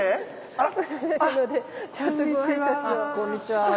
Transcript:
あっこんにちは。